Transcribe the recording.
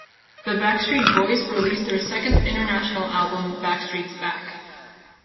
The Backstreet Boys released their second international album Backstreet's Back.